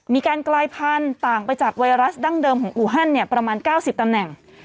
มีการกลายพันธุ์ต่างไปจากไวรัสดั้งเดิมของอูฮันเนี่ยประมาณ๙๐ตำแหน่ง